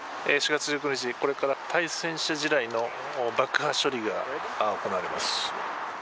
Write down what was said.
４月１９日、これから対戦車地雷の爆破処理が行われます。